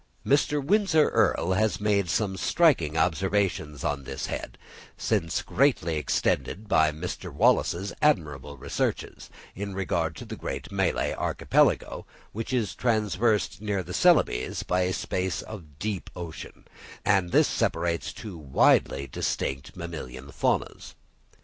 Mr. Windsor Earl has made some striking observations on this head, since greatly extended by Mr. Wallace's admirable researches, in regard to the great Malay Archipelago, which is traversed near Celebes by a space of deep ocean, and this separates two widely distinct mammalian faunas.